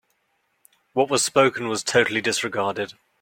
What was spoken was totally disregarded.